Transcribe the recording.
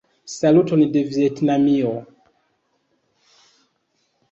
Saluton de Vjetnamio!